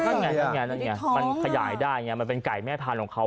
ใช่มันไงมันขยายได้มันเป็นไก่แม่พันธุ์ของเขา